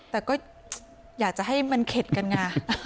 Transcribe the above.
แต่ก็อยากจะให้มันเข็ดกันไง